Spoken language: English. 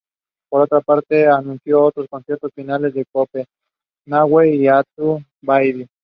The stations are important parts of Indian astrology.